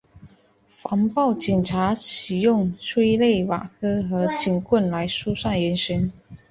防暴警察使用催泪瓦斯和警棍来疏散人群。